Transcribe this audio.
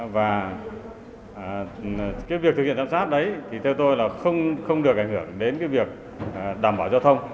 và việc thực hiện giám sát đấy theo tôi là không được ảnh hưởng đến việc đảm bảo giao thông